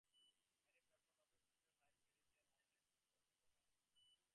Harry Belafonte often visited and liked the Caribbean island of Bonaire.